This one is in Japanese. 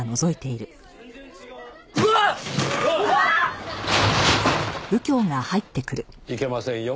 いけませんよ